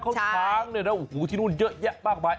เขาช้างเนี่ยแล้วที่นู่นเยอะแยะมากไป